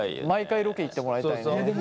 毎回ロケ行ってもらいたいね。